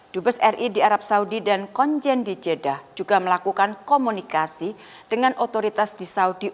dubes ri di arab saudi dan konjen di jeddah juga melakukan komunikasi dengan otoritas di saudi